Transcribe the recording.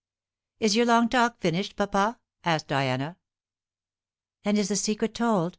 "Is your long talk finished, papa?" asked Diana. "And is the secret told?"